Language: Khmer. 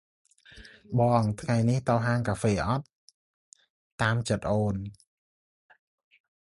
«បង ថ្ងៃនេះទៅហាងកាហ្វេអត់?» «តាមចិត្តអូន។»